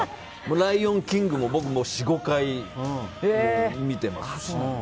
「ライオンキング」、僕は４５回見てます。